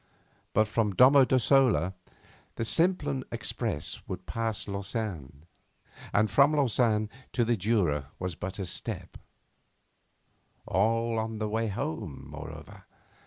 But from Domo Dossola the Simplon Express would pass Lausanne, and from Lausanne to the Jura was but a step all on the way home, moreover.